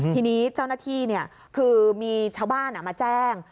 ทีนี้เจ้าหน้าที่คือมีชาวบ้านมาแจ้ง